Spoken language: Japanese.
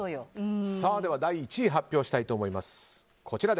第１位発表したいと思います。